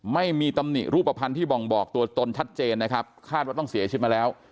ไม่มีตำหนิรูปภัณฑ์ที่บ่งบอกตัวตนชัดเจนนะครับคาดว่าต้องเสียชีวิตมาแล้ว